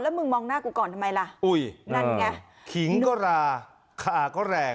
มึงมองหน้ากูก่อนทำไมล่ะอุ้ยนั่นไงขิงก็ราคาก็แรง